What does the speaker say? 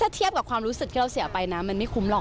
ถ้าเทียบกับความรู้สึกที่เราเสียไปนะมันไม่คุ้มหรอก